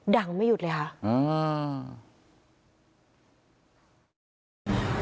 ดังไม่หยุดเลยฮะอ้าว